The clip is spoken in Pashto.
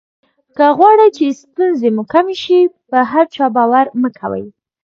که غواړی چې ستونزې مو کمې شي په هر چا باور مه کوئ.